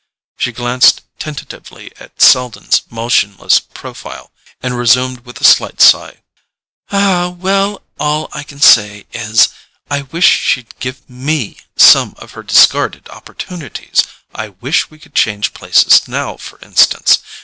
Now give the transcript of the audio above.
She glanced tentatively at Selden's motionless profile, and resumed with a slight sigh: "Well, all I can say is, I wish she'd give ME some of her discarded opportunities. I wish we could change places now, for instance.